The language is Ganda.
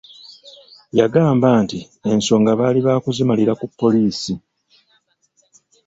Yagamba nti ensonga baali baakuzimalira ku poliisi